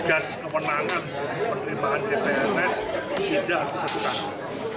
tugas kewenangan penerimaan cpns tidak sesuatu